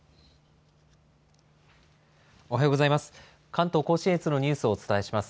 おはようございます。